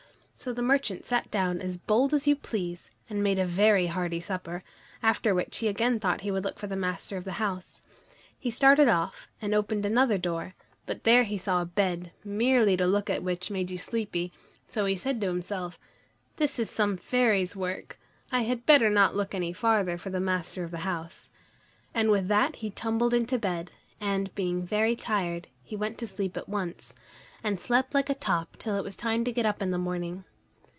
So the merchant sat down as bold as you please, and made a very hearty supper, after which he again thought he would look for the master of the house. He started off and opened another door, but there he saw a bed, merely to look at which made you sleepy, so he said to himself: "This is some fairies' work. I had better not look any farther for the master of the house." And with that he tumbled into bed, and, being very tired, he went to sleep at once, and slept like a top till it was time to get up in the morning.